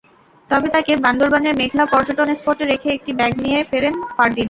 তবে তাঁকে বান্দরবানের মেঘলা পর্যটন স্পটে রেখে একটি ব্যাগ নিয়ে ফেরেন ফারদিন।